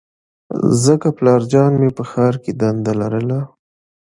ځکه پلارجان مې په ښار کې دنده لرله